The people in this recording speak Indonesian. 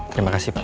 terima kasih pak